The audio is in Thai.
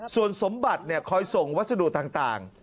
ส่วนสมบัติคอยส่งวัสดุต่าง